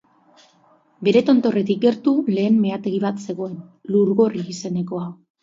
Bere tontorretik gertu lehen meategi bat zegoen, Lurgorri izenekoa.